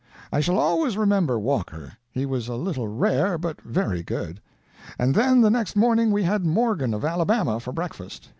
I shall always remember Walker. He was a little rare, but very good. And then the next morning we had Morgan of Alabama for breakfast.